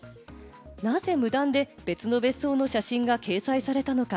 なぜ無断で別の別荘の写真が掲載されたのか？